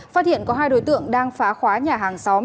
phát hiện có hai đối tượng đang phá khóa nhà hàng xóm